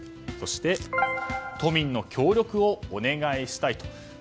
そして都民の協力をお願いしたいと。